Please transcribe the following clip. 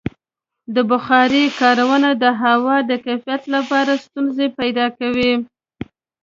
د بخارۍ کارونه د هوا د کیفیت لپاره ستونزې پیدا کوي.